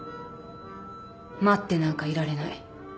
待ってなんかいられない。